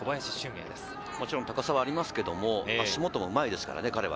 もちろん、高さはありますけど、足元もうまいですからね彼は。